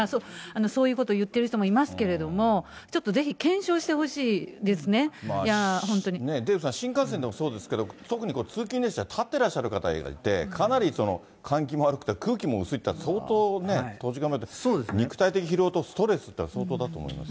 そういうこと言ってる人もいますけれども、ちょっとぜひ、デーブさん、新幹線でもそうですけど、特に通勤列車、立ってらっしゃる方がいて、かなり換気も悪くて、空気も薄いっていうのは相当閉じ込められて、肉体的疲労とストレスって、相当だと思いますね。